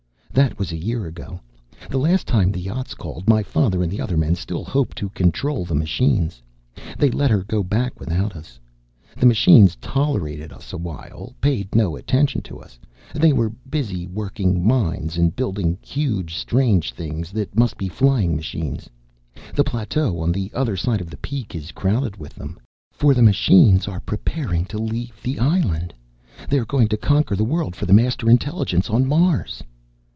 "That was a year ago. The last time the yacht called, my father and the other men still hoped to control the machines. They let her go back without us. The machines tolerated us a while; paid no attention to us; they were busy working mines and building huge, strange things that must be flying machines; the plateau on the other side of the peak is crowded with them. "For the machines are preparing to leave the island! They are going to conquer the world for the Master Intelligence on Mars!